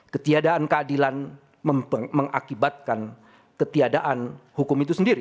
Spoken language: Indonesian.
ketiadaan keadilan mengakibatkan ketiadaan hukum itu sendiri